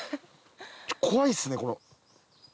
怖いっすねこの。